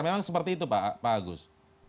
memang seperti itu pak agus